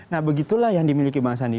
nah begitulah yang dimiliki bang sandi